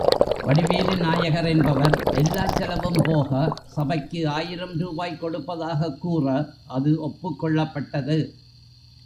வடிவேலு நாயகர் என்பவர், எல்லாச் செலவும் போக, சபைக்கு ஆயிரம் ரூபாய் கொடுப்பதாகக் கூற, அது ஒப்புக் கொள்ளப்பட்டது.